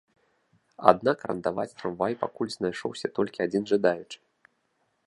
Аднак арандаваць трамвай пакуль знайшоўся толькі адзін жадаючы.